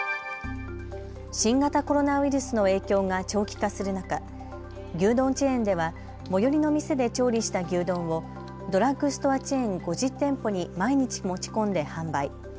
新型コロナウイルスの影響が長期化する中、牛丼チェーンでは最寄りの店で調理した牛丼をドラッグストアチェーン５０店舗に毎日持ち込んで販売。